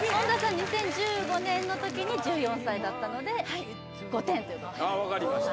２０１５年の時に１４歳だったので５点ということではい分かりました